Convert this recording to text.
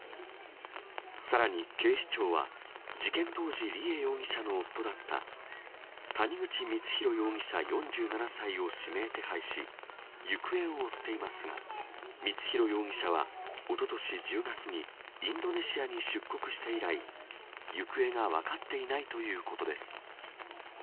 さらに警視庁は、事件当時、梨恵容疑者の夫だった、谷口光弘容疑者４７歳を指名手配し、行方を追っていますが、光弘容疑者はおととし１０月にインドネシアに出国して以来、行方が分かっていないということです。